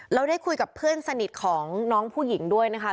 เราได้คุยกับเพื่อนสนิทของน้องผู้หญิงด้วยนะคะ